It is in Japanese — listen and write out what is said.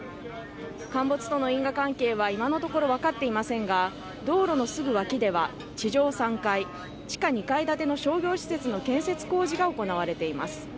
陥没との因果関係は今のところ分かっていませんが道路のすぐ脇では、地上３階、地下２階建ての商業施設の建設工事が行われています。